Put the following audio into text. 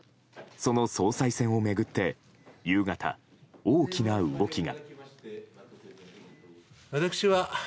その総裁選を巡って夕方、大きな動きが。